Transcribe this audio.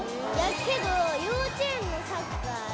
けど幼稚園のサッカーで。